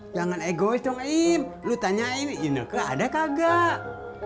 jangan egois dong lu tanya ini ke ada kagak